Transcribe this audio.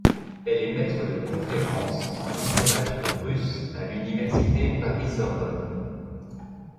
Elle est maître de conférences en littérature russe à l'université Paris-Sorbonne.